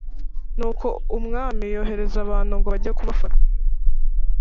Nuko umwami yohereza abantu ngo bajye kubafata